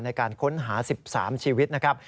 ในการค้นหา๑๓ชีวิตนะครับ